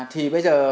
thì bây giờ